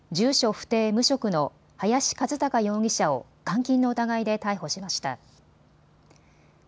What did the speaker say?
不定、無職の林一貴容疑者を監禁の疑いで逮捕しました。